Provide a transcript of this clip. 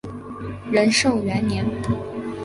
仁寿元年。